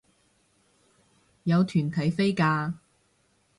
有團體飛價